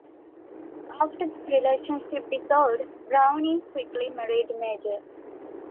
After their relationship dissolved, Browne quickly married Major.